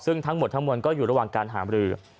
ซึ่งทั้งหมดทั้งมวลก็อยู่ระหว่างการหามรือ